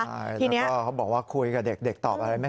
ใช่แล้วก็เขาบอกว่าคุยกับเด็กตอบอะไรไหม